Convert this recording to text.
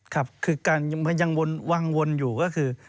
คือการมันยังวางวนอยู่ก็คือ